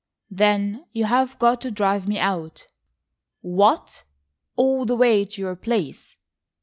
"Then you've got to drive me out." "What, all the way to your place?